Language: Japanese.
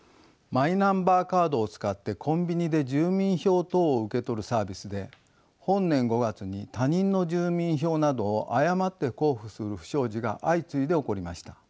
マイナンバーカードを使ってコンビニで住民票等を受け取るサービスで本年５月に他人の住民票などを誤って交付する不祥事が相次いで起こりました。